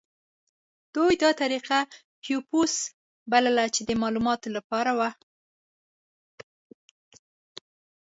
دوی دا طریقه کیوپوس بلله چې د معلوماتو لپاره وه.